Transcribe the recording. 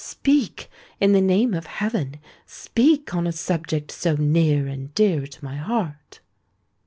Speak—in the name of heaven, speak on a subject so near and dear to my heart."